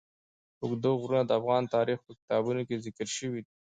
اوږده غرونه د افغان تاریخ په کتابونو کې ذکر شوی دي.